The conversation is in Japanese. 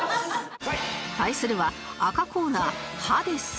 対するは赤コーナーハデス